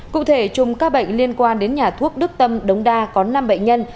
cụ thể chùm ca bệnh liên quan đến nhà thuốc đức tâm đống đa có năm bệnh nhân